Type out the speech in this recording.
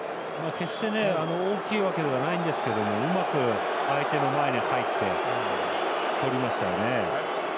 決して大きいわけではないんですがうまく相手の前に入ってとりましたよね。